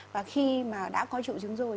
và khi mà đã có triệu chứng rồi